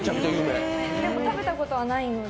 でも食べたことはないので。